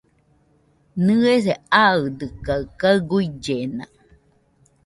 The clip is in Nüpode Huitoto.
¿Nɨese aɨdɨkaɨ kaɨ guillena?